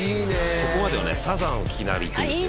ここまではねサザンを聴きながら行くんですよ